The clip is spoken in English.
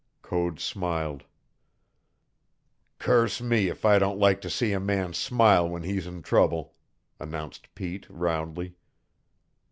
Code smiled. "Curse me if I don't like to see a man smile when he's in trouble," announced Pete roundly.